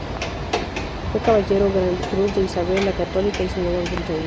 Fue Caballero Gran Cruz de Isabel la Católica, y Senador del Reino.